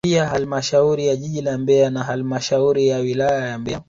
Pia halmashauri ya jiji la Mbeya na halmashauri ya wilaya ya Mbeya